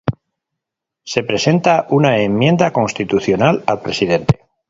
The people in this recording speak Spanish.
¿Se presenta una enmienda constitucional al Presidente?